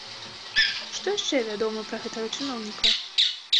Што яшчэ вядома пра гэтага чыноўніка?